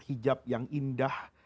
hijab yang indah